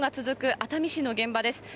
熱海市の現場です。